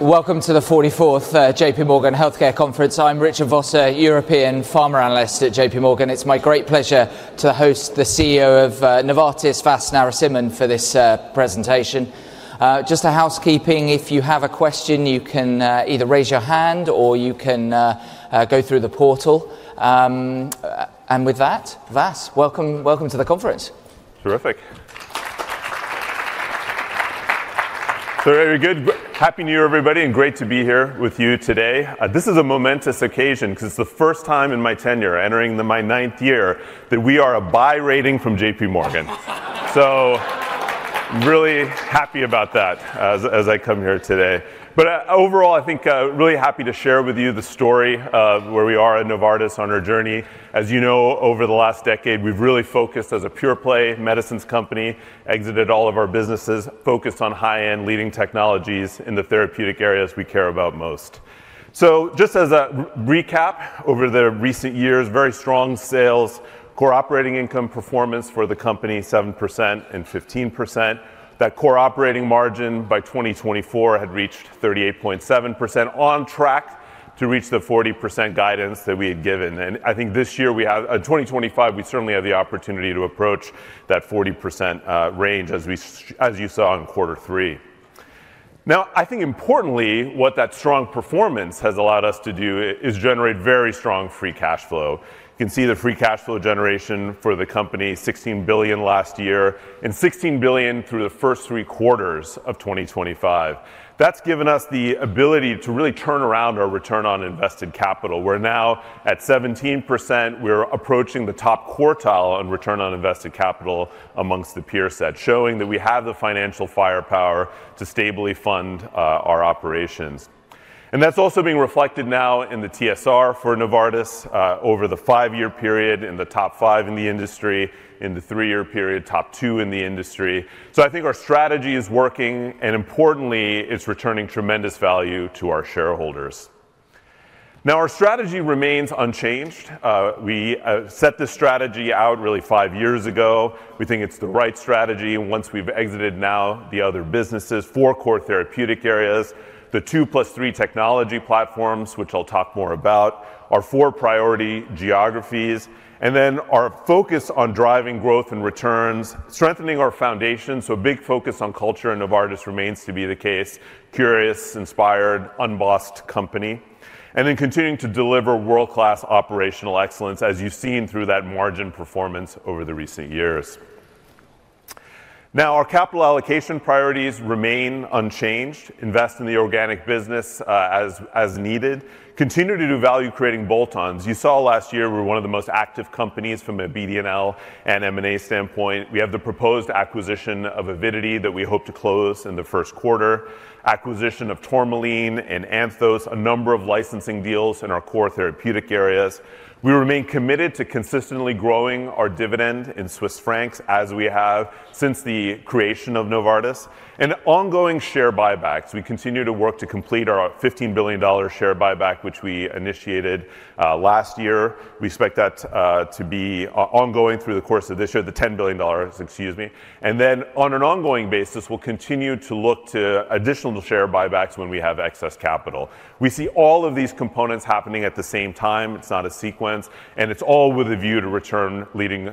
Welcome to the 44th JPMorgan Healthcare Conference. I'm Richard Vosser, European Pharma Analyst at JPMorgan. It's my great pleasure to host the CEO of Novartis, Vasant Narasimhan, for this presentation. Just a housekeeping: if you have a question, you can either raise your hand or you can go through the portal, and with that, Vas, welcome to the conference. Terrific. So very good. Happy New Year, everybody, and great to be here with you today. This is a momentous occasion because it's the first time in my tenure, entering my ninth year, that we are a buy rating from JPMorgan. So I'm really happy about that as I come here today. But overall, I think I'm really happy to share with you the story of where we are at Novartis on our journey. As you know, over the last decade, we've really focused as a pure-play medicines company, exited all of our businesses, focused on high-end leading technologies in the therapeutic areas we care about most. So just as a recap over the recent years, very strong sales, core operating income performance for the company 7% and 15%. That core operating margin by 2024 had reached 38.7%, on track to reach the 40% guidance that we had given. I think this year, in 2025, we certainly have the opportunity to approach that 40% range, as you saw in quarter three. Now, I think importantly, what that strong performance has allowed us to do is generate very strong free cash flow. You can see the free cash flow generation for the company: $16 billion last year and $16 billion through the first three quarters of 2025. That's given us the ability to really turn around our return on invested capital. We're now at 17%. We're approaching the top quartile on return on invested capital amongst the peer set, showing that we have the financial firepower to stably fund our operations. And that's also being reflected now in the TSR for Novartis over the five-year period, in the top five in the industry, in the three-year period, top two in the industry. I think our strategy is working. And importantly, it's returning tremendous value to our shareholders. Now, our strategy remains unchanged. We set this strategy out really five years ago. We think it's the right strategy. Once we've exited now the other businesses, four core therapeutic areas, the two plus three technology platforms, which I'll talk more about, our four priority geographies, and then our focus on driving growth and returns, strengthening our foundation. So a big focus on culture in Novartis remains to be the case: curious, inspired, unbossed company. And then continuing to deliver world-class operational excellence, as you've seen through that margin performance over the recent years. Now, our capital allocation priorities remain unchanged: invest in the organic business as needed, continue to do value-creating bolt-ons. You saw last year we were one of the most active companies from a BD&L and M&A standpoint. We have the proposed acquisition of Avidity that we hope to close in the first quarter, acquisition of Tourmaline and Anthos, a number of licensing deals in our core therapeutic areas. We remain committed to consistently growing our dividend in Swiss francs as we have since the creation of Novartis and ongoing share buybacks. We continue to work to complete our $15 billion share buyback, which we initiated last year. We expect that to be ongoing through the course of this year, the $10 billion, excuse me, and then on an ongoing basis, we'll continue to look to additional share buybacks when we have excess capital. We see all of these components happening at the same time. It's not a sequence, and it's all with a view to return leading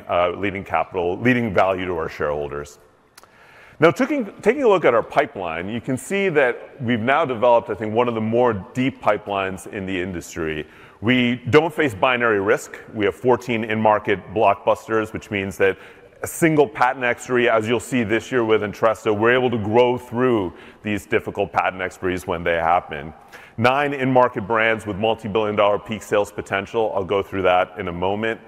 capital, leading value to our shareholders. Now, taking a look at our pipeline, you can see that we've now developed, I think, one of the more deep pipelines in the industry. We don't face binary risk. We have 14 in-market blockbusters, which means that a single patent expiry, as you'll see this year with Entresto, we're able to grow through these difficult patent expiries when they happen. Nine in-market brands with multi-billion-dollar peak sales potential. I'll go through that in a moment.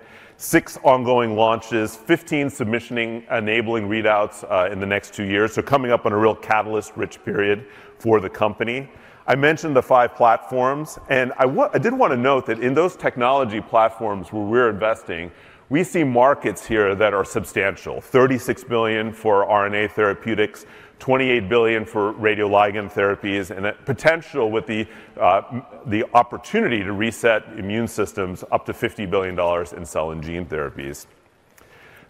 Six ongoing launches, 15 submission-enabling readouts in the next two years. So coming up on a real catalyst-rich period for the company. I mentioned the five platforms. I did want to note that in those technology platforms where we're investing, we see markets here that are substantial: $36 billion for RNA therapeutics, $28 billion for radioligand therapies, and potential with the opportunity to reset immune systems up to $50 billion in cell and gene therapies.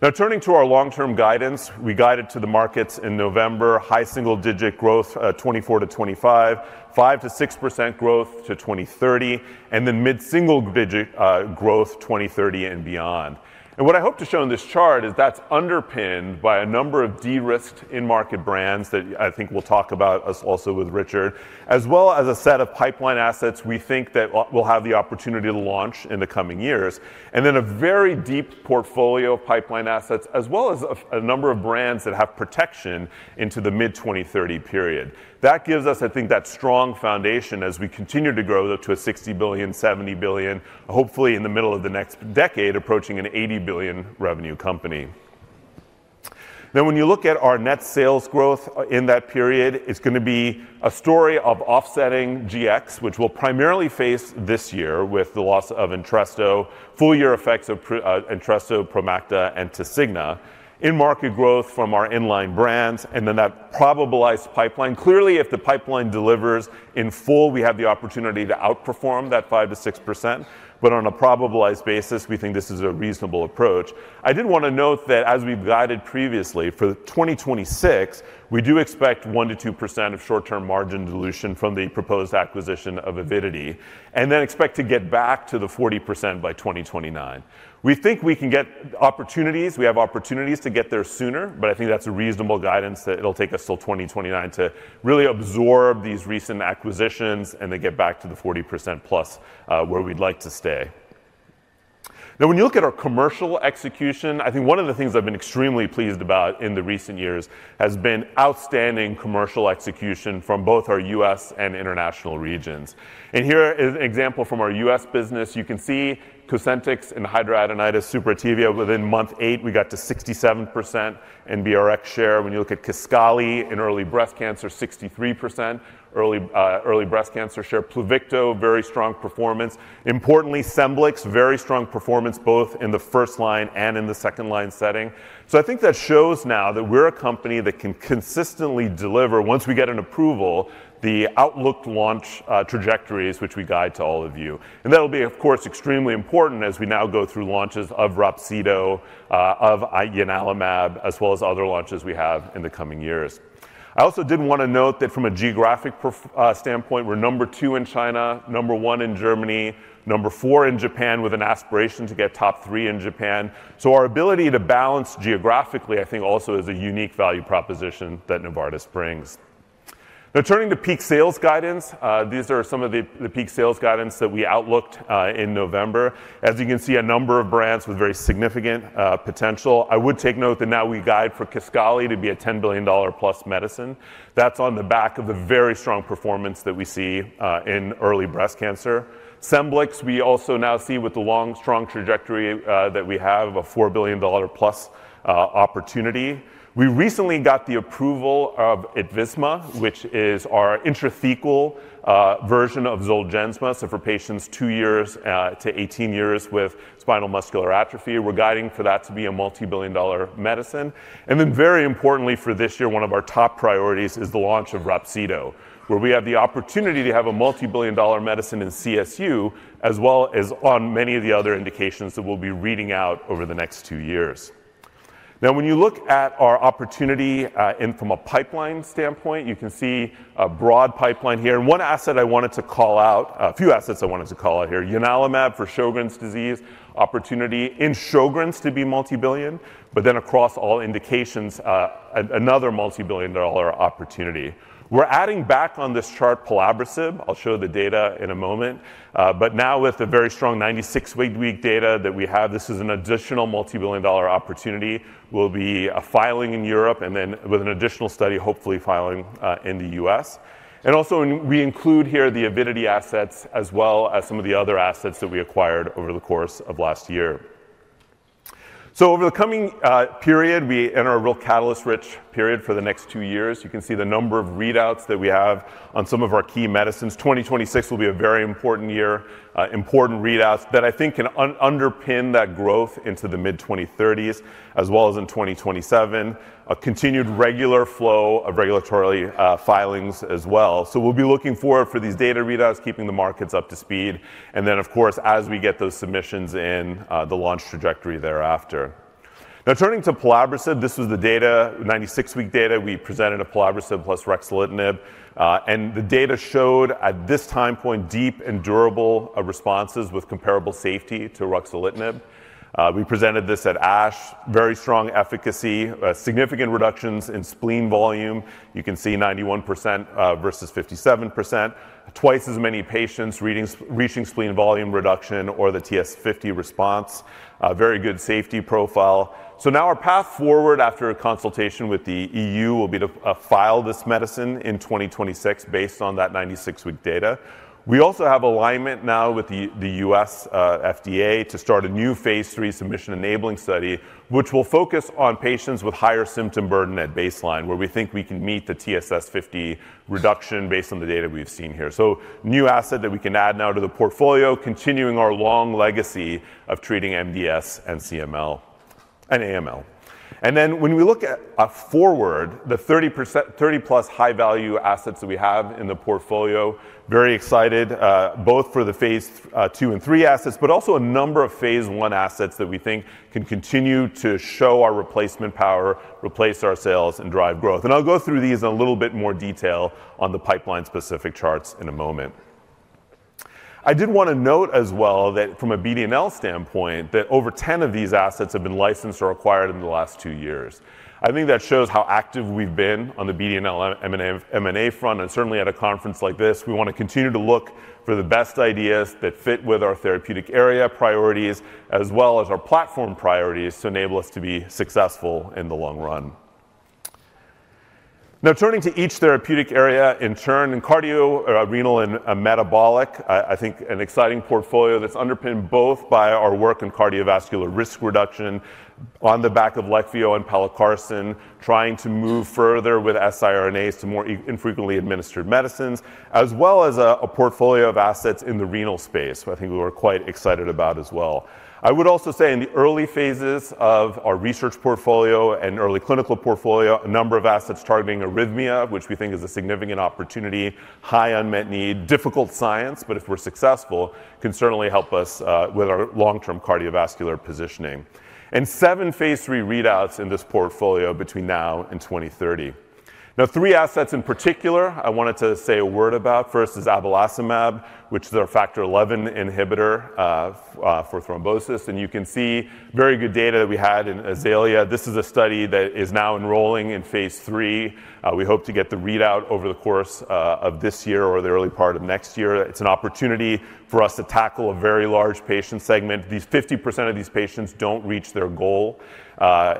Now, turning to our long-term guidance, we guided to the markets in November: high single-digit growth 2024-2025, 5%-6% growth to 2030, and then mid-single-digit growth 2030 and beyond. And what I hope to show in this chart is that's underpinned by a number of de-risked in-market brands that I think we'll talk about also with Richard, as well as a set of pipeline assets we think that we'll have the opportunity to launch in the coming years, and then a very deep portfolio of pipeline assets, as well as a number of brands that have protection into the mid-2030 period. That gives us, I think, that strong foundation as we continue to grow to $60 billion, $70 billion, hopefully in the middle of the next decade, approaching an $80 billion revenue company. Now, when you look at our net sales growth in that period, it's going to be a story of offsetting GX, which we'll primarily face this year with the loss of Entresto, full-year effects of Entresto, Promacta, and Tasigna, in-market growth from our inline brands, and then that probabilized pipeline. Clearly, if the pipeline delivers in full, we have the opportunity to outperform that 5%-6%. But on a probabilized basis, we think this is a reasonable approach. I did want to note that as we've guided previously for 2026, we do expect 1%-2% of short-term margin dilution from the proposed acquisition of Avidity and then expect to get back to the 40% by 2029. We think we can get opportunities. We have opportunities to get there sooner, but I think that's a reasonable guidance that it'll take us till 2029 to really absorb these recent acquisitions and then get back to the 40%+ where we'd like to stay. Now, when you look at our commercial execution, I think one of the things I've been extremely pleased about in the recent years has been outstanding commercial execution from both our U.S. and international regions, and here is an example from our U.S. business. You can see Cosentyx and Hidradenitis Suppurativa. Within month eight, we got to 67% in BRX share. When you look at Kisqali in early breast cancer, 63% early breast cancer share. Pluvicto, very strong performance. Importantly, Scemblix, very strong performance both in the first line and in the second line setting. I think that shows now that we're a company that can consistently deliver, once we get an approval, the outlined launch trajectories, which we guide to all of you. That'll be, of course, extremely important as we now go through launches of Roxido, of Ianalumab, as well as other launches we have in the coming years. I also did want to note that from a geographic standpoint, we're number two in China, number one in Germany, number four in Japan with an aspiration to get top three in Japan. Our ability to balance geographically, I think, also is a unique value proposition that Novartis brings. Now, turning to peak sales guidance, these are some of the peak sales guidance that we outlined in November. As you can see, a number of brands with very significant potential. I would take note that now we guide for Kisqali to be a $10 billion plus medicine. That's on the back of the very strong performance that we see in early breast cancer. Scemblix, we also now see with the long, strong trajectory that we have a $4 billion plus opportunity. We recently got the approval of Itivisma, which is our intrathecal version of Zolgensma, so for patients two years to 18 years with spinal muscular atrophy. We're guiding for that to be a multi-billion dollar medicine. And then very importantly for this year, one of our top priorities is the launch of Roxido, where we have the opportunity to have a multi-billion dollar medicine in CSU, as well as on many of the other indications that we'll be reading out over the next two years. Now, when you look at our opportunity from a pipeline standpoint, you can see a broad pipeline here, and one asset I wanted to call out, a few assets I wanted to call out here, Ianalumab for Sjögren's disease, opportunity in Sjögren's to be multi-billion, but then across all indications, another multi-billion dollar opportunity. We're adding back on this chart Pelabresib. I'll show the data in a moment, but now with the very strong 96-week data that we have, this is an additional multi-billion dollar opportunity. We'll be filing in Europe and then with an additional study, hopefully filing in the U.S. Also we include here the Avidity assets as well as some of the other assets that we acquired over the course of last year, so over the coming period, we enter a real catalyst-rich period for the next two years. You can see the number of readouts that we have on some of our key medicines. 2026 will be a very important year, important readouts that I think can underpin that growth into the mid-2030s, as well as in 2027, a continued regular flow of regulatory filings as well. So we'll be looking forward for these data readouts, keeping the markets up to speed. And then, of course, as we get those submissions in, the launch trajectory thereafter. Now, turning to Pelabresib, this was the data, 96-week data. We presented Pelabresib plus ruxolitinib. And the data showed at this time point, deep and durable responses with comparable safety to ruxolitinib. We presented this at ASH, very strong efficacy, significant reductions in spleen volume. You can see 91% versus 57%, twice as many patients reaching spleen volume reduction or the TS50 response, very good safety profile. So now our path forward after a consultation with the EU will be to file this medicine in 2026 based on that 96-week data. We also have alignment now with the U.S. FDA to start a new phase three submission-enabling study, which will focus on patients with higher symptom burden at baseline, where we think we can meet the TSS 50 reduction based on the data we've seen here. So, new asset that we can add now to the portfolio, continuing our long legacy of treating MDS and CML and AML. And then when we look forward, the 30-plus high-value assets that we have in the portfolio, very excited both for the phase two and three assets, but also a number of phase one assets that we think can continue to show our replacement power, replace our sales, and drive growth. I'll go through these in a little bit more detail on the pipeline-specific charts in a moment. I did want to note as well that from a BD&L standpoint, that over 10 of these assets have been licensed or acquired in the last two years. I think that shows how active we've been on the BD&L M&A front. Certainly at a conference like this, we want to continue to look for the best ideas that fit with our therapeutic area priorities, as well as our platform priorities to enable us to be successful in the long run. Now, turning to each therapeutic area in turn, in cardiorenal and metabolic, I think an exciting portfolio that's underpinned both by our work in cardiovascular risk reduction on the back of Leqvio and Pelacarsen, trying to move further with siRNAs to more infrequently administered medicines, as well as a portfolio of assets in the renal space, which I think we were quite excited about as well. I would also say in the early phases of our research portfolio and early clinical portfolio, a number of assets targeting arrhythmia, which we think is a significant opportunity, high unmet need, difficult science, but if we're successful, can certainly help us with our long-term cardiovascular positioning, and seven phase 3 readouts in this portfolio between now and 2030. Now, three assets in particular I wanted to say a word about. First is abelacimab, which is our factor XI inhibitor for thrombosis. You can see very good data that we had in AZALEA. This is a study that is now enrolling in phase III. We hope to get the readout over the course of this year or the early part of next year. It's an opportunity for us to tackle a very large patient segment. 50% of these patients don't reach their goal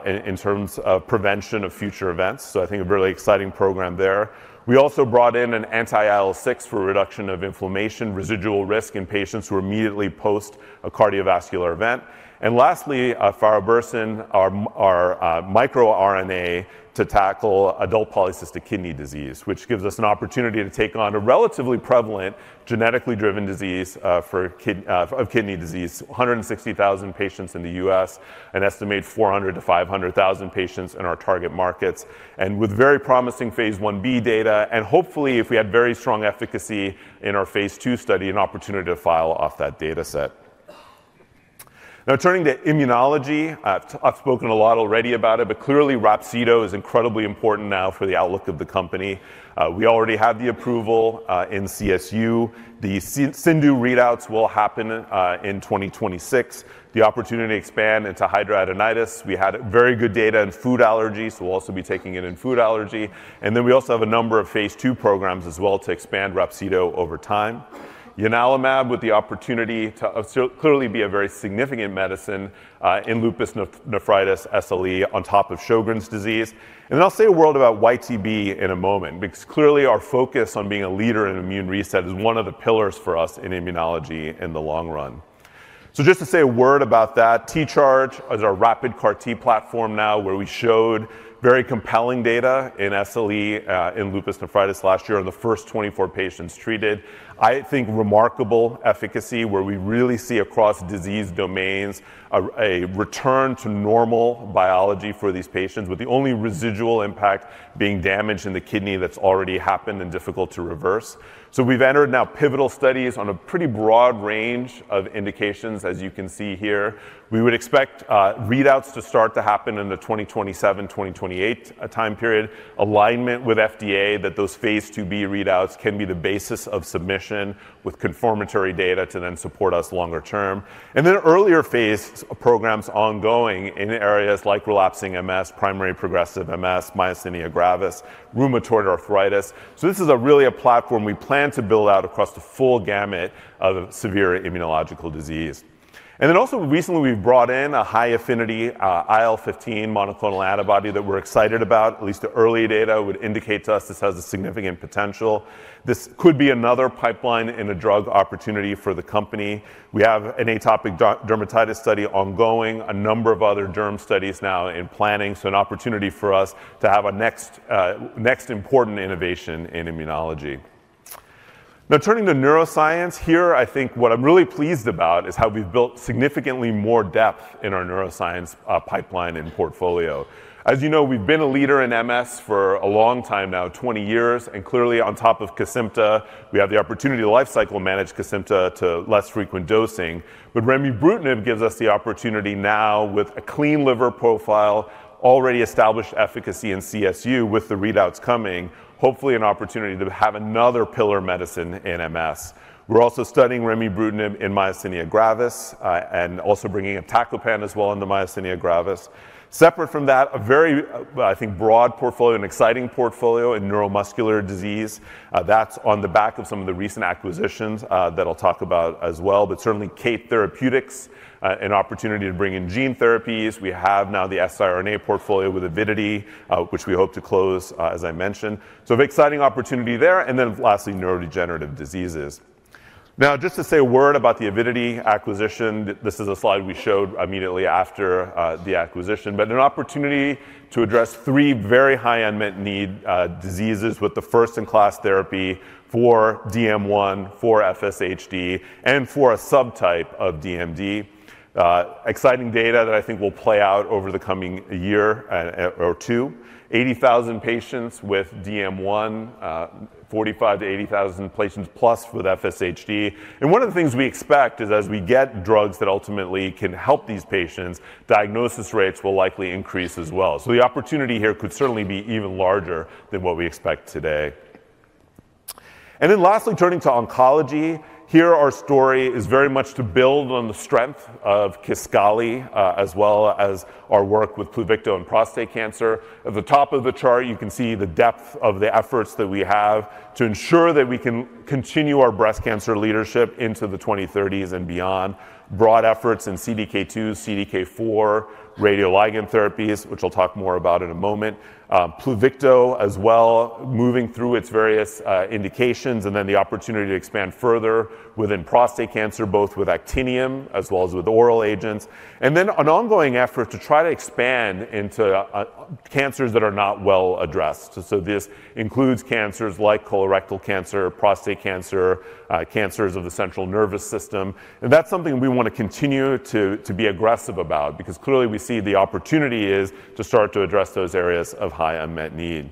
in terms of prevention of future events. So I think a really exciting program there. We also brought in an anti-IL-6 for reduction of inflammation residual risk in patients who are immediately post a cardiovascular event. Lastly, farabursen, our microRNA to tackle adult polycystic kidney disease, which gives us an opportunity to take on a relatively prevalent genetically driven disease of kidney disease, 160,000 patients in the U.S., an estimated 400,000-500,000 patients in our target markets, and with very promising phase 1b data. And hopefully, if we had very strong efficacy in our phase two study, an opportunity to file off that data set. Now, turning to immunology, I've spoken a lot already about it, but clearly Remibrutinib is incredibly important now for the outlook of the company. We already have the approval in CSU. The CIndU readouts will happen in 2026. The opportunity to expand into hidradenitis. We had very good data in food allergies, so we'll also be taking it in food allergy. And then we also have a number of phase two programs as well to expand Remibrutinib over time. Ianalumab with the opportunity to clearly be a very significant medicine in lupus nephritis, SLE, on top of Sjögren's disease. Then I'll say a word about YTB in a moment, because clearly our focus on being a leader in immune reset is one of the pillars for us in immunology in the long run. Just to say a word about that, T-Charge is our rapid CAR-T platform now, where we showed very compelling data in SLE in lupus nephritis last year on the first 24 patients treated. I think remarkable efficacy, where we really see across disease domains a return to normal biology for these patients, with the only residual impact being damage in the kidney that's already happened and difficult to reverse. We've entered now pivotal studies on a pretty broad range of indications, as you can see here. We would expect readouts to start to happen in the 2027-2028 time period, alignment with FDA that those phase IIB readouts can be the basis of submission with confirmatory data to then support us longer term, and then earlier phase programs ongoing in areas like relapsing MS, primary progressive MS, myasthenia gravis, rheumatoid arthritis. So this is really a platform we plan to build out across the full gamut of severe immunological disease, and then also recently we've brought in a high affinity IL-15 monoclonal antibody that we're excited about. At least the early data would indicate to us this has a significant potential. This could be another pipeline and a drug opportunity for the company. We have an atopic dermatitis study ongoing, a number of other derm studies now in planning, so an opportunity for us to have a next important innovation in immunology. Now, turning to neuroscience here, I think what I'm really pleased about is how we've built significantly more depth in our neuroscience pipeline and portfolio. As you know, we've been a leader in MS for a long time now, 20 years, and clearly on top of Kesimpta, we have the opportunity to life cycle manage Kesimpta to less frequent dosing, but Remibrutinib gives us the opportunity now with a clean liver profile, already established efficacy in CSU with the readouts coming, hopefully an opportunity to have another pillar medicine in MS. We're also studying Remibrutinib in myasthenia gravis and also bringing a taclopam as well into myasthenia gravis. Separate from that, a very, I think, broad portfolio, an exciting portfolio in neuromuscular disease. That's on the back of some of the recent acquisitions that I'll talk about as well, but certainly Kate Therapeutics, an opportunity to bring in gene therapies. We have now the siRNA portfolio with Avidity, which we hope to close, as I mentioned, so an exciting opportunity there. And then lastly, neurodegenerative diseases. Now, just to say a word about the Avidity acquisition, this is a slide we showed immediately after the acquisition, but an opportunity to address three very high unmet need diseases with the first-in-class therapy for DM1, for FSHD, and for a subtype of DMD. Exciting data that I think will play out over the coming year or two. 80,000 patients with DM1, 45,000-80,000 patients plus with FSHD. And one of the things we expect is as we get drugs that ultimately can help these patients, diagnosis rates will likely increase as well. So the opportunity here could certainly be even larger than what we expect today. And then lastly, turning to oncology, here our story is very much to build on the strength of Kisqali as well as our work with Pluvicto and prostate cancer. At the top of the chart, you can see the depth of the efforts that we have to ensure that we can continue our breast cancer leadership into the 2030s and beyond. Broad efforts in CDK2, CDK4, radioligand therapies, which I'll talk more about in a moment. Pluvicto as well, moving through its various indications, and then the opportunity to expand further within prostate cancer, both with Actinium as well as with oral agents. And then an ongoing effort to try to expand into cancers that are not well addressed. So this includes cancers like colorectal cancer, prostate cancer, cancers of the central nervous system. That's something we want to continue to be aggressive about, because clearly we see the opportunity is to start to address those areas of high unmet need.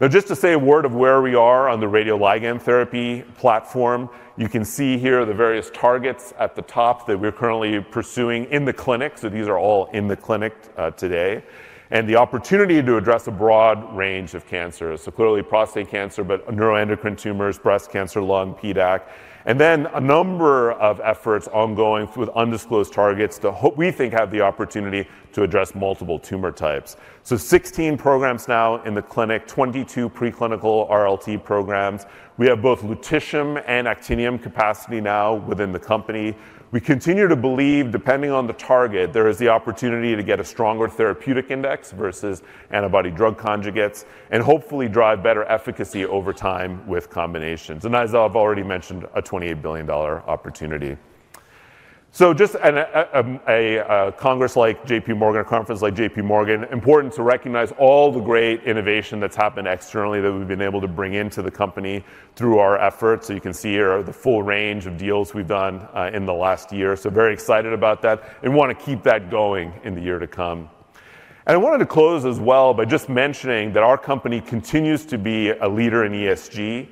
Now, just to say a word of where we are on the radioligand therapy platform, you can see here the various targets at the top that we're currently pursuing in the clinic. So these are all in the clinic today. And the opportunity to address a broad range of cancers. So clearly prostate cancer, but neuroendocrine tumors, breast cancer, lung, PDAC. And then a number of efforts ongoing with undisclosed targets that we think have the opportunity to address multiple tumor types. So 16 programs now in the clinic, 22 preclinical RLT programs. We have both Lutetium-177 and Actinium-225 capacity now within the company. We continue to believe, depending on the target, there is the opportunity to get a stronger therapeutic index versus antibody drug conjugates, and hopefully drive better efficacy over time with combinations. And as I've already mentioned, a $28 billion opportunity. So just a conference like JPMorgan, a conference like JPMorgan, important to recognize all the great innovation that's happened externally that we've been able to bring into the company through our efforts. So you can see here the full range of deals we've done in the last year. So very excited about that and want to keep that going in the year to come. And I wanted to close as well by just mentioning that our company continues to be a leader in ESG.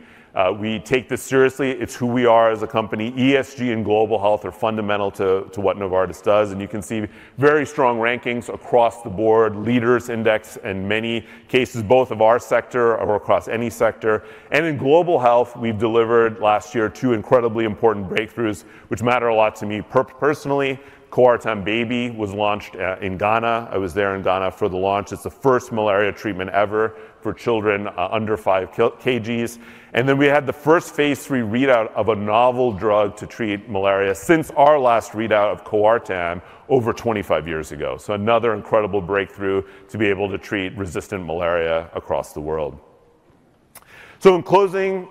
We take this seriously. It's who we are as a company. ESG and global health are fundamental to what Novartis does. You can see very strong rankings across the board, leadership index, and in many cases, both in our sector and across any sector. In global health, we've delivered last year two incredibly important breakthroughs, which matter a lot to me personally. Coartem Baby was launched in Ghana. I was there in Ghana for the launch. It's the first malaria treatment ever for children under five kg. Then we had the first phase three readout of a novel drug to treat malaria since our last readout of Coartem over 25 years ago. Another incredible breakthrough to be able to treat resistant malaria across the world. In closing,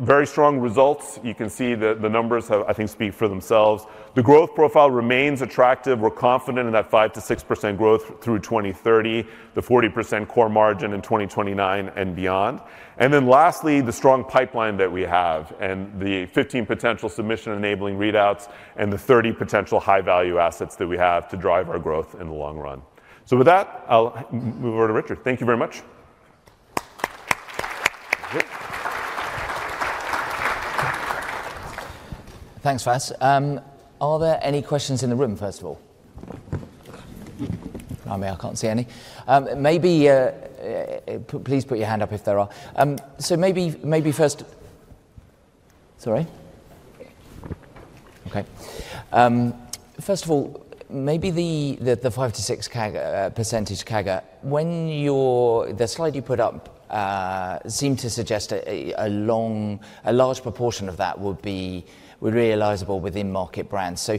very strong results. You can see that the numbers, I think, speak for themselves. The growth profile remains attractive. We're confident in that 5-6% growth through 2030, the 40% core margin in 2029 and beyond. And then lastly, the strong pipeline that we have and the 15 potential submission enabling readouts and the 30 potential high-value assets that we have to drive our growth in the long run. So with that, I'll move over to Richard. Thank you very much. Thanks, Vance. Are there any questions in the room, first of all? I can't see any. Maybe please put your hand up if there are. So maybe first, sorry. Okay. First of all, maybe the 5%-6% CAGR, when the slide you put up seemed to suggest a large proportion of that would be realizable within market brands. So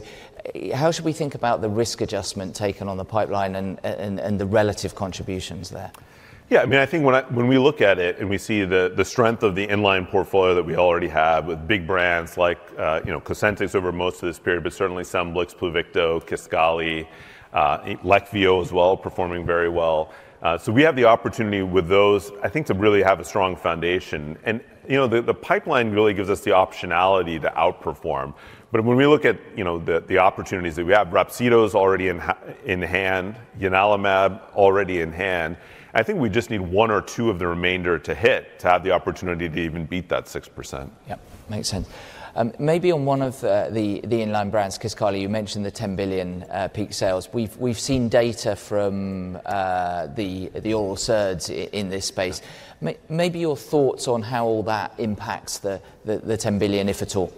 how should we think about the risk adjustment taken on the pipeline and the relative contributions there? Yeah, I mean, I think when we look at it and we see the strength of the inline portfolio that we already have with big brands like Cosentyx over most of this period, but certainly Scemblix, Pluvicto, Kisqali, Leqvio as well, performing very well, so we have the opportunity with those, I think, to really have a strong foundation, and the pipeline really gives us the optionality to outperform, but when we look at the opportunities that we have, Remibrutinib's already in hand, Ianalumab already in hand. I think we just need one or two of the remainder to hit to have the opportunity to even beat that 6%. Yeah, makes sense. Maybe on one of the in-line brands, Kisqali, you mentioned the 10 billion peak sales. We've seen data from the oral SERDs in this space. Maybe your thoughts on how all that impacts the 10 billion, if at all?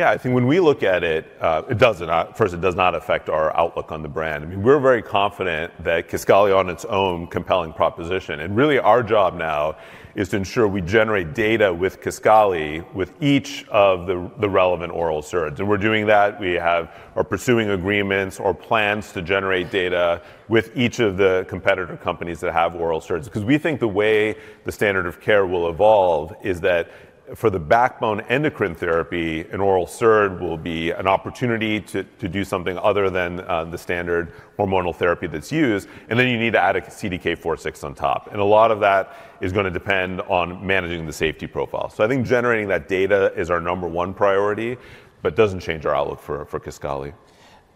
Yeah, I think when we look at it, it doesn't. First, it does not affect our outlook on the brand. I mean, we're very confident that Kisqali is on its own compelling proposition. And really our job now is to ensure we generate data with Kisqali with each of the relevant oral SERD. And we're doing that. We are pursuing agreements or plans to generate data with each of the competitor companies that have oral SERD, because we think the way the standard of care will evolve is that for the backbone endocrine therapy, an oral SERD will be an opportunity to do something other than the standard hormonal therapy that's used. And then you need to add a CDK4/6 on top. And a lot of that is going to depend on managing the safety profile. So I think generating that data is our number one priority, but doesn't change our outlook for Kisqali.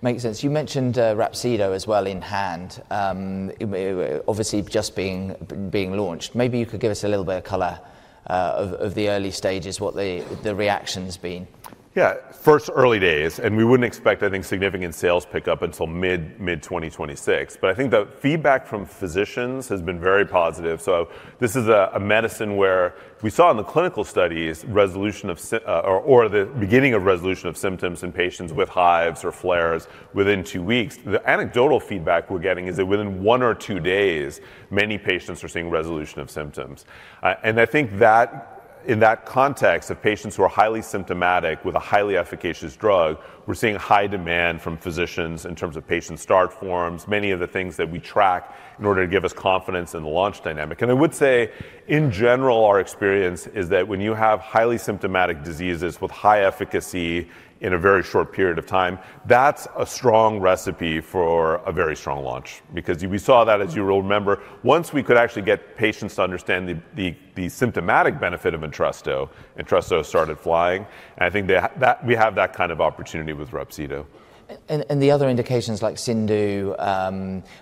Makes sense. You mentioned Ruxolitinib as well in hand, obviously just being launched. Maybe you could give us a little bit of color of the early stages, what the reaction has been. Yeah, it's early days. And we wouldn't expect, I think, significant sales pickup until mid-2026. But I think the feedback from physicians has been very positive. So this is a medicine where we saw in the clinical studies resolution of or the beginning of resolution of symptoms in patients with hives or flares within two weeks. The anecdotal feedback we're getting is that within one or two days, many patients are seeing resolution of symptoms. And I think that in that context of patients who are highly symptomatic with a highly efficacious drug, we're seeing high demand from physicians in terms of patient start forms, many of the things that we track in order to give us confidence in the launch dynamic. I would say in general, our experience is that when you have highly symptomatic diseases with high efficacy in a very short period of time, that's a strong recipe for a very strong launch, because we saw that, as you will remember, once we could actually get patients to understand the symptomatic benefit of Entresto, Entresto started flying. I think we have that kind of opportunity with Ruxolitinib. And the other indications like CIndU,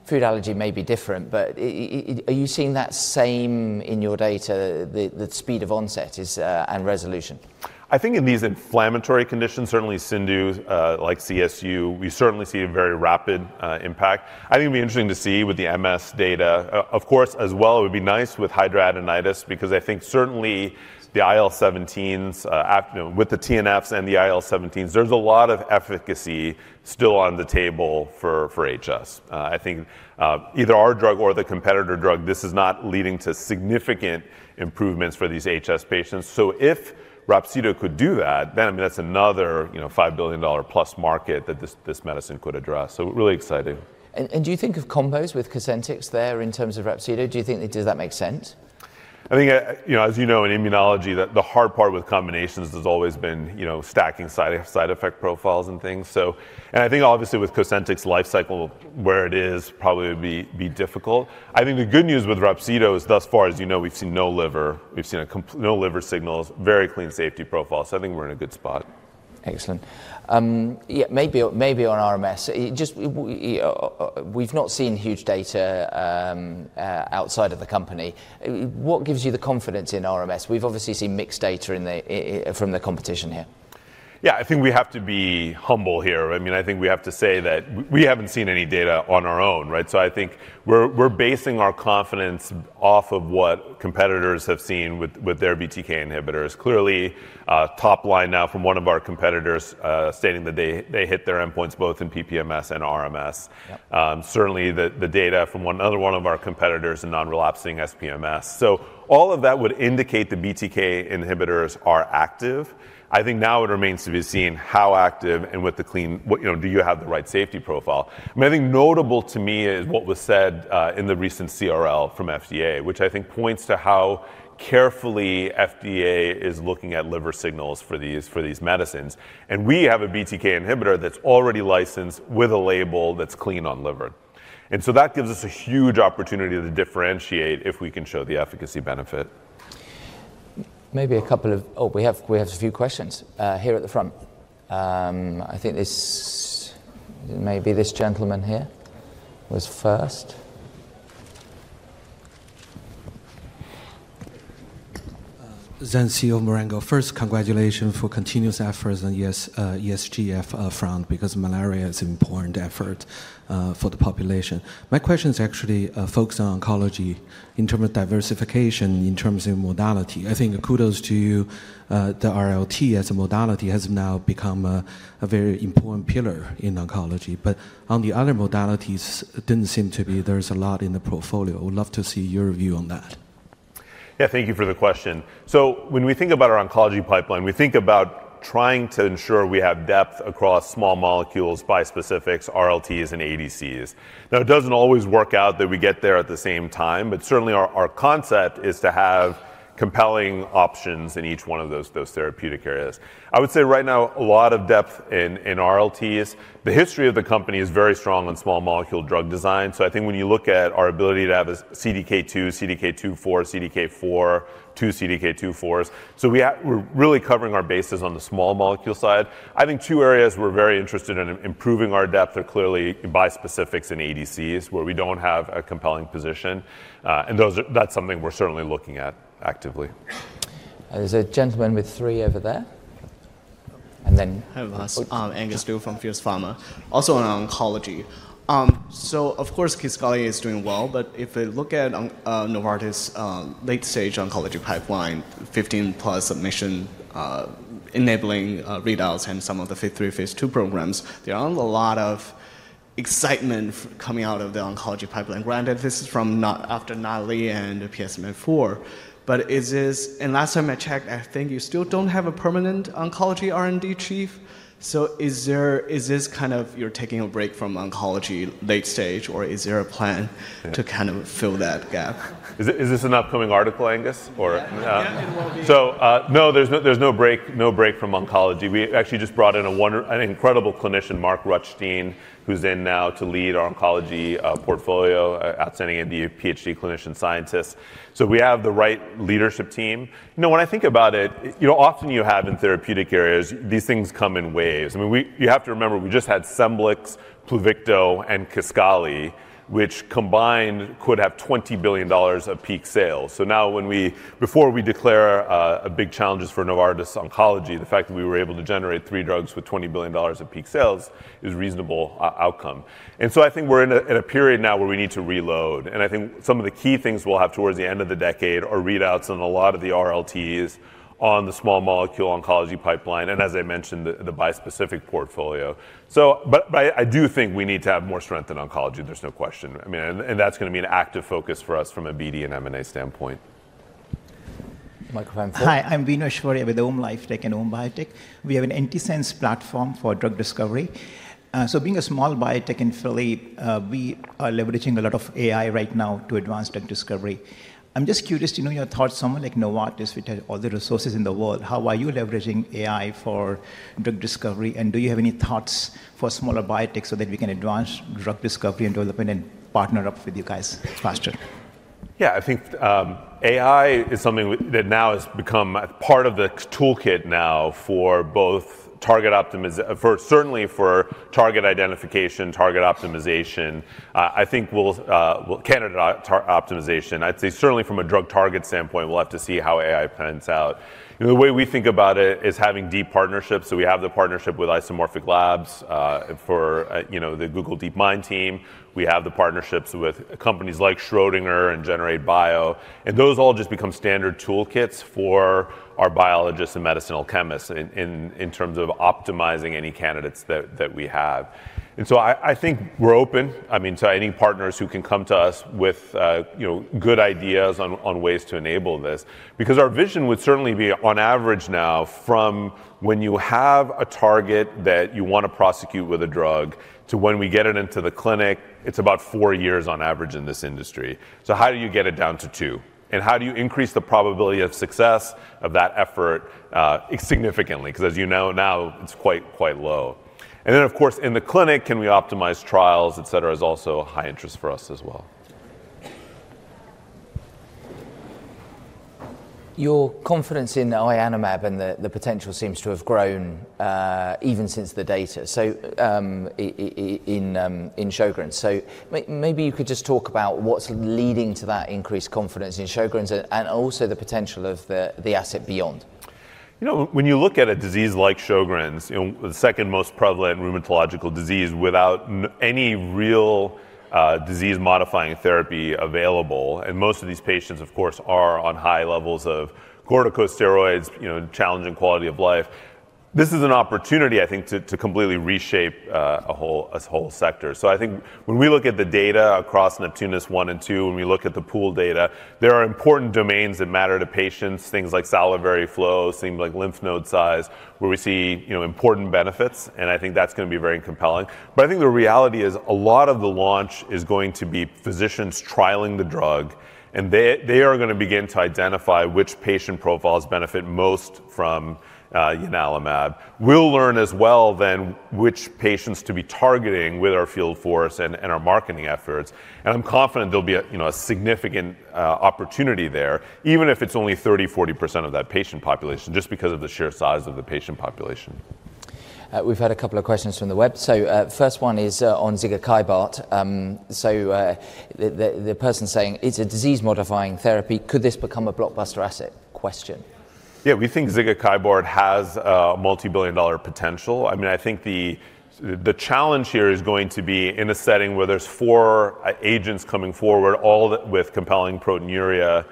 food allergy may be different, but are you seeing that same in your data, the speed of onset and resolution? I think in these inflammatory conditions, certainly CIndU like CSU, we certainly see a very rapid impact. I think it'd be interesting to see with the MS data, of course, as well. It would be nice with hidradenitis because I think certainly the IL-17s with the TNFs and the IL-17s, there's a lot of efficacy still on the table for HS. I think either our drug or the competitor drug, this is not leading to significant improvements for these HS patients. So if remibrutinib could do that, then I mean, that's another $5 billion-plus market that this medicine could address. So really exciting. And do you think of combos with Cosentyx there in terms of Ruxolitinib? Do you think that does make sense? I think, as you know, in immunology, the hard part with combinations has always been stacking side effect profiles and things, and I think obviously with Cosentyx, life cycle where it is probably would be difficult. I think the good news with remibrutinib is thus far, as you know, we've seen no liver, we've seen no liver signals, very clean safety profile, so I think we're in a good spot. Excellent. Maybe on RMS, we've not seen huge data outside of the company. What gives you the confidence in RMS? We've obviously seen mixed data from the competition here. Yeah, I think we have to be humble here. I mean, I think we have to say that we haven't seen any data on our own. So I think we're basing our confidence off of what competitors have seen with their BTK inhibitors. Clearly, top line now from one of our competitors stating that they hit their endpoints both in PPMS and RMS. Certainly the data from another one of our competitors, a non-relapsing SPMS. So all of that would indicate the BTK inhibitors are active. I think now it remains to be seen how active and what the clinical data show, do you have the right safety profile. I mean, I think notable to me is what was said in the recent CRL from FDA, which I think points to how carefully FDA is looking at liver signals for these medicines. We have a BTK inhibitor that's already licensed with a label that's clean on liver, and so that gives us a huge opportunity to differentiate if we can show the efficacy benefit. Maybe a couple of. Oh, we have a few questions here at the front. I think maybe this gentleman here was first. Vasant Narasimhan, first, congratulations for continuous efforts and ESG efforts front because malaria is an important effort for the population. My question is actually focused on oncology in terms of diversification in terms of modality. I think kudos to you. The RLT as a modality has now become a very important pillar in oncology. But on the other modalities, it didn't seem to be there's a lot in the portfolio. I would love to see your view on that. Yeah, thank you for the question. So when we think about our oncology pipeline, we think about trying to ensure we have depth across small molecules, bispecifics, RLTs, and ADCs. Now, it doesn't always work out that we get there at the same time, but certainly our concept is to have compelling options in each one of those therapeutic areas. I would say right now a lot of depth in RLTs. The history of the company is very strong on small molecule drug design. So I think when you look at our ability to have a CDK2, CDK4/6, CDK4, two CDK4/6s. So we're really covering our bases on the small molecule side. I think two areas we're very interested in improving our depth are clearly bispecifics and ADCs where we don't have a compelling position. And that's something we're certainly looking at actively. There's a gentleman with three over there, and then. Hi, Vas. I'm Angus Liu from Fierce Pharma, also on oncology. So of course, Kisqali is doing well. But if we look at Novartis late-stage oncology pipeline, 15 plus submission enabling readouts and some of the phase three, phase two programs, there are a lot of excitement coming out of the oncology pipeline. Granted, this is from after NATALEE and PSMAfore, but is this, and last time I checked, I think you still don't have a permanent oncology R&D chief. So is this kind of you're taking a break from oncology late stage, or is there a plan to kind of fill that gap? Is this an upcoming article, Angus? Yeah. So no, there's no break from oncology. We actually just brought in an incredible clinician, Mark Rutstein, who's in now to lead our oncology portfolio, outstanding PhD clinician scientist. So we have the right leadership team. When I think about it, often you have in therapeutic areas, these things come in waves. I mean, you have to remember we just had Scemblix, Pluvicto, and Kisqali, which combined could have $20 billion of peak sales. So now, before we declare big challenges for Novartis oncology, the fact that we were able to generate three drugs with $20 billion of peak sales is a reasonable outcome. And so I think we're in a period now where we need to reload. I think some of the key things we'll have towards the end of the decade are readouts on a lot of the RLTs on the small molecule oncology pipeline and, as I mentioned, the bispecific portfolio. I do think we need to have more strength in oncology, there's no question. I mean, and that's going to be an active focus for us from a BD and M&A standpoint. Hi, I'm Veenu Aishwarya with AUM LifeTech and AUM BioTech. We have an antisense platform for drug discovery. So being a small biotech in Philly, we are leveraging a lot of AI right now to advance drug discovery. I'm just curious to know your thoughts, someone like Novartis, which has all the resources in the world, how are you leveraging AI for drug discovery? And do you have any thoughts for smaller biotech so that we can advance drug discovery and development and partner up with you guys faster? Yeah, I think AI is something that now has become part of the toolkit now for both target optimization, certainly for target identification, target optimization, I think candidate optimization. I'd say certainly from a drug target standpoint, we'll have to see how AI pans out. The way we think about it is having deep partnerships. So we have the partnership with Isomorphic Labs for the Google DeepMind team. We have the partnerships with companies like Schrödinger and GenerateBio. And those all just become standard toolkits for our biologists and medicinal chemists in terms of optimizing any candidates that we have. And so I think we're open. I mean, to any partners who can come to us with good ideas on ways to enable this, because our vision would certainly be on average now from when you have a target that you want to prosecute with a drug to when we get it into the clinic, it's about four years on average in this industry. So how do you get it down to two? And how do you increase the probability of success of that effort significantly? Because as you know now, it's quite low. And then, of course, in the clinic, can we optimize trials, et cetera, is also high interest for us as well. Your confidence in ianalumab and the potential seems to have grown even since the data in Sjögren's. So maybe you could just talk about what's leading to that increased confidence in Sjögren's and also the potential of the asset beyond. You know, when you look at a disease like Sjögren's, the second most prevalent rheumatological disease without any real disease-modifying therapy available, and most of these patients, of course, are on high levels of corticosteroids, challenging quality of life, this is an opportunity, I think, to completely reshape a whole sector, so I think when we look at the data across NEPTUNUS I and II, when we look at the pooled data, there are important domains that matter to patients, things like salivary flow, things like lymph node size, where we see important benefits, and I think that's going to be very compelling, but I think the reality is a lot of the launch is going to be physicians trialing the drug, and they are going to begin to identify which patient profiles benefit most from ianalimab. We'll learn as well then which patients to be targeting with our field force and our marketing efforts, and I'm confident there'll be a significant opportunity there, even if it's only 30%, 40% of that patient population just because of the sheer size of the patient population. We've had a couple of questions from the web. So first one is on Zigakibart. So the person saying, "It's a disease-modifying therapy. Could this become a blockbuster asset?" Question. Yeah, we think Zigakibart has a multi-billion-dollar potential. I mean, I think the challenge here is going to be in a setting where there's four agents coming forward, all with compelling proteinuria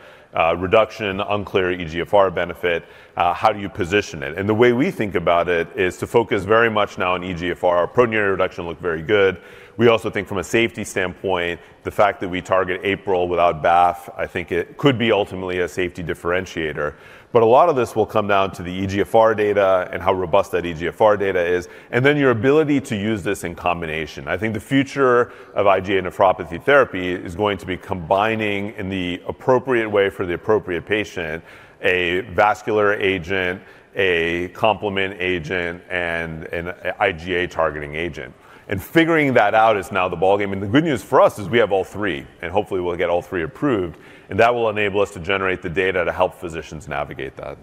reduction, unclear eGFR benefit. How do you position it? The way we think about it is to focus very much now on eGFR. Proteinuria reduction looked very good. We also think from a safety standpoint, the fact that we target APRIL without BAFF, I think it could be ultimately a safety differentiator, but a lot of this will come down to the eGFR data and how robust that eGFR data is, and then your ability to use this in combination. I think the future of IgA nephropathy therapy is going to be combining in the appropriate way for the appropriate patient, a vascular agent, a complement agent, and an IgA targeting agent. And figuring that out is now the ballgame. And the good news for us is we have all three. And hopefully, we'll get all three approved. And that will enable us to generate the data to help physicians navigate that.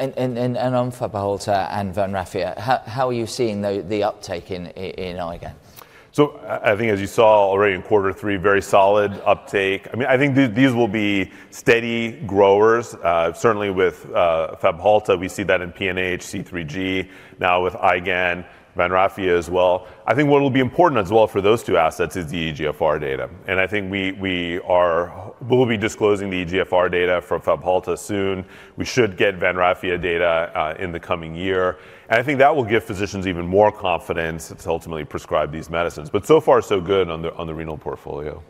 On Fabhalta and Atrasentan, how are you seeing the uptake in IgAN? So I think, as you saw already in quarter three, very solid uptake. I mean, I think these will be steady growers. Certainly with Fabhalta, we see that in PNH, C3G, now with IgAN, Atrasentan as well. I think what will be important as well for those two assets is the eGFR data. And I think we will be disclosing the eGFR data from Fabhalta soon. We should get Atrasentan data in the coming year. And I think that will give physicians even more confidence to ultimately prescribe these medicines. But so far, so good on the renal portfolio.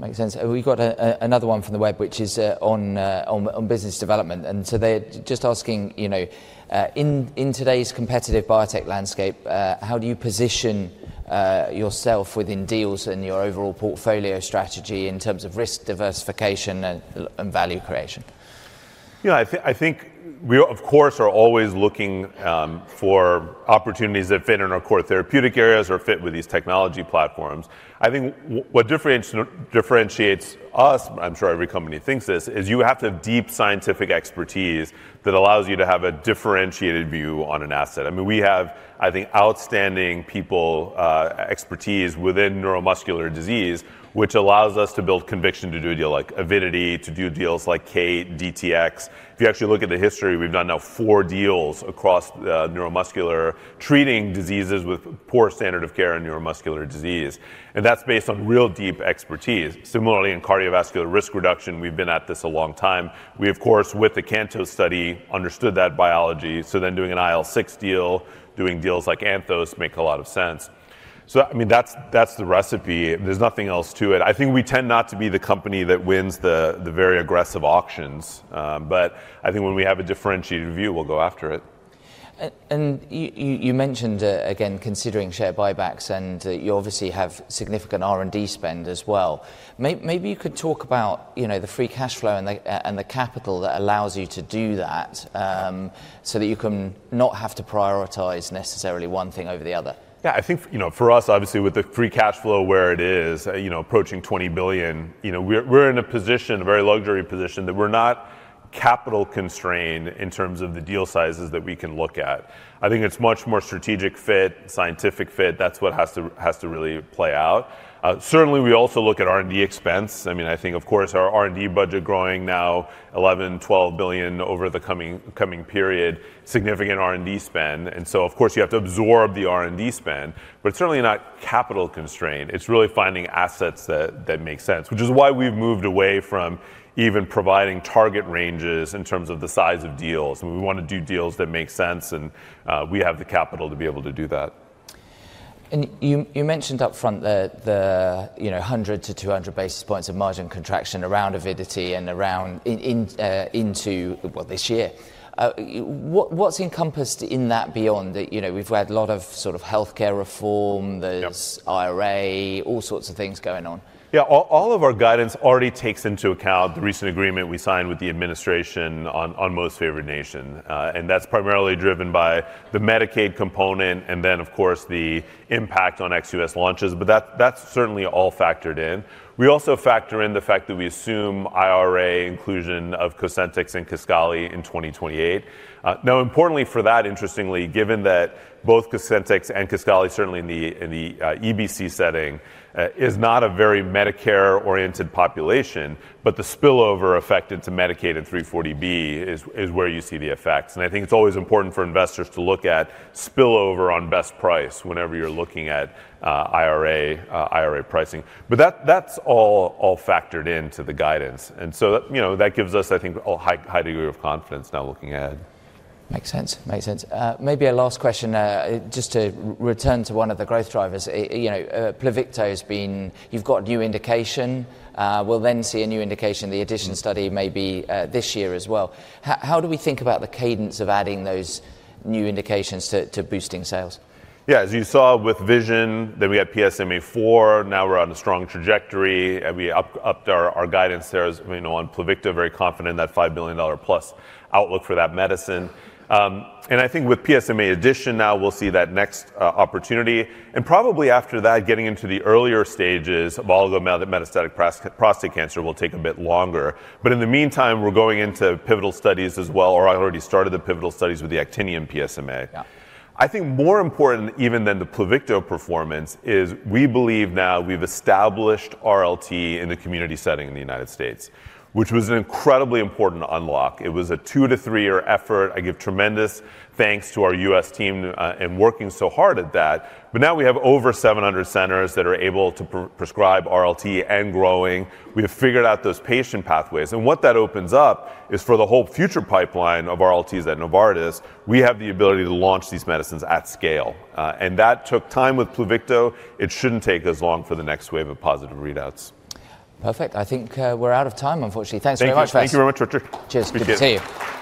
Makes sense. We've got another one from the web, which is on business development, and so they're just asking, in today's competitive biotech landscape, how do you position yourself within deals and your overall portfolio strategy in terms of risk diversification and value creation? Yeah, I think we, of course, are always looking for opportunities that fit in our core therapeutic areas or fit with these technology platforms. I think what differentiates us, I'm sure every company thinks this, is you have to have deep scientific expertise that allows you to have a differentiated view on an asset. I mean, we have, I think, outstanding people expertise within neuromuscular disease, which allows us to build conviction to do a deal like Avidity, to do deals like Kate, DTX. If you actually look at the history, we've done now four deals across neuromuscular treating diseases with poor standard of care in neuromuscular disease. And that's based on real deep expertise. Similarly, in cardiovascular risk reduction, we've been at this a long time. We, of course, with the Canto study, understood that biology. So then doing an IL-6 deal, doing deals like Anthos makes a lot of sense. So I mean, that's the recipe. There's nothing else to it. I think we tend not to be the company that wins the very aggressive auctions. But I think when we have a differentiated view, we'll go after it. You mentioned, again, considering share buybacks. You obviously have significant R&D spend as well. Maybe you could talk about the free cash flow and the capital that allows you to do that so that you can not have to prioritize necessarily one thing over the other. Yeah, I think for us, obviously, with the free cash flow where it is, approaching $20 billion, we're in a position, a very luxury position, that we're not capital constrained in terms of the deal sizes that we can look at. I think it's much more strategic fit, scientific fit. That's what has to really play out. Certainly, we also look at R&D expense. I mean, I think, of course, our R&D budget growing now, $11 billion, $12 billion over the coming period, significant R&D spend, and so, of course, you have to absorb the R&D spend, but certainly not capital constrained. It's really finding assets that make sense, which is why we've moved away from even providing target ranges in terms of the size of deals, and we want to do deals that make sense, and we have the capital to be able to do that. You mentioned upfront the 100-200 basis points of margin contraction around Avidity and around Entresto, well, this year. What's encompassed in that beyond? We've had a lot of sort of healthcare reform. There's IRA, all sorts of things going on. Yeah, all of our guidance already takes into account the recent agreement we signed with the administration on most favored nation. And that's primarily driven by the Medicaid component and then, of course, the impact on XUS launches. But that's certainly all factored in. We also factor in the fact that we assume IRA inclusion of Cosentyx and Kisqali in 2028. Now, importantly for that, interestingly, given that both Cosentyx and Kisqali, certainly in the EBC setting, is not a very Medicare-oriented population, but the spillover effect into Medicaid and 340B is where you see the effects. And I think it's always important for investors to look at spillover on best price whenever you're looking at IRA pricing. But that's all factored into the guidance. And so that gives us, I think, a high degree of confidence now looking ahead. Makes sense. Makes sense. Maybe a last question just to return to one of the growth drivers. Pluvicto, you've got new indication. We'll then see a new indication, the addition study, maybe this year as well. How do we think about the cadence of adding those new indications to boosting sales? Yeah, as you saw with Vision, then we had PSMA IV. Now we're on a strong trajectory. We upped our guidance there on Pluvicto, very confident in that $5 billion plus outlook for that medicine. And I think with PSMA addition now, we'll see that next opportunity. And probably after that, getting into the earlier stages, oligometastatic prostate cancer will take a bit longer. But in the meantime, we're going into pivotal studies as well, or I already started the pivotal studies with the Actinium-225 PSMA. I think more important even than the Pluvicto performance is we believe now we've established RLT in the community setting in the United States, which was an incredibly important unlock. It was a two-to-three-year effort. I give tremendous thanks to our U.S. team and working so hard at that. But now we have over 700 centers that are able to prescribe RLT and growing. We have figured out those patient pathways. And what that opens up is for the whole future pipeline of RLTs at Novartis, we have the ability to launch these medicines at scale. And that took time with Pluvicto. It shouldn't take as long for the next wave of positive readouts. Perfect. I think we're out of time, unfortunately. Thanks very much, Vasant. Thank you very much, Richard. Cheers. Good to see you.